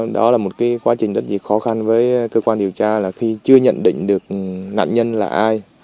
đó là một quá trình rất gì khó khăn với cơ quan điều tra là khi chưa nhận định được nạn nhân là ai